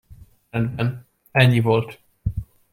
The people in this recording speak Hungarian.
Rendben, ennyi volt!